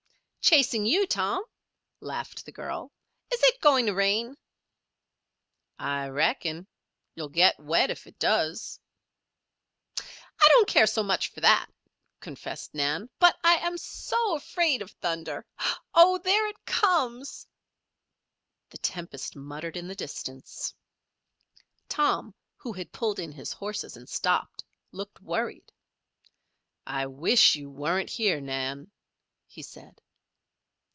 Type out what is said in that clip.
"Chasing you, Tom," laughed the girl. "Is it going to rain?" "I reckon. You'll get wet if it does." "I don't care so much for that," confessed Nan. "But I am so afraid of thunder! Oh, there it comes." The tempest muttered in the distance. Tom, who had pulled in his horses and stopped, looked worried. "I wish you weren't here, Nan," he said.